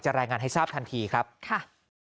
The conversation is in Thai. รายงานให้ทราบทันทีครับค่ะ